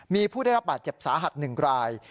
มีผู้ได้รับบาดเจ็บสาหัส๑ราย